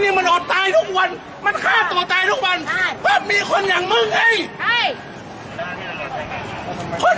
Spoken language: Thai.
นี่มันอดตายทุกวันมันฆ่าตัวตายทุกวันเพราะมีคนอย่างมึงไอ้ใช่